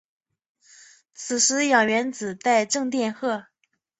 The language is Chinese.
此时氧原子带正电荷。